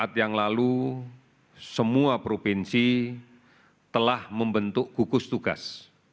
saat yang lalu semua provinsi telah membentuk gugus tugas